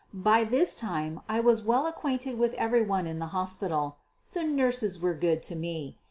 By this time I was well acquainted with every one in the hospital. The nurses were good to me.